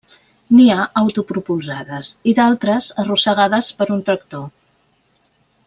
N'hi ha autopropulsades i d'altres arrossegades per un tractor.